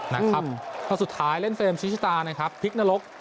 แล้วสุดท้ายเล่นเฟรมชิชชาตาพลิกนรก